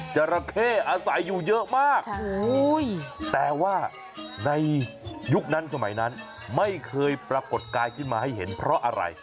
จราเข้อาศัยอยู่เยอะมากแต่ว่าในยุคนั้นสมัยนั้นไม่เคยปรากฏกายขึ้นมาให้เห็นเพราะอะไร